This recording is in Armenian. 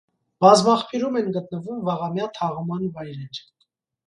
Բազմաղբյուրում են գտնվում վաղամյա թաղման վայրեր։